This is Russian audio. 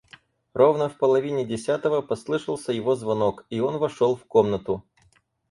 Ровно в половине десятого послышался его звонок, и он вошел в комнату.